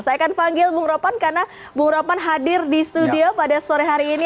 saya akan panggil bung ropan karena bung ropan hadir di studio pada sore hari ini